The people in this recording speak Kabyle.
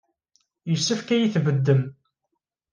Yessefk ad iyi-tbeddem.